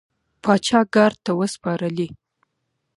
پاچا ګارد ته وسپارلې.